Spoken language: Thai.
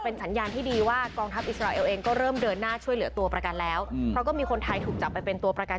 ตอนนี้พวกมันกำลังกลับมาหาพวกมัน